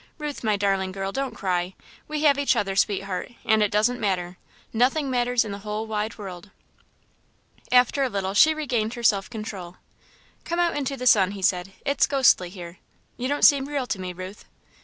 "Ruth, my darling girl, don't cry. We have each other, sweetheart, and it doesn't matter nothing matters in the whole, wide world." After a little, she regained her self control. "Come out into the sun," he said, "it's ghostly here. You don't seem real to me, Ruth."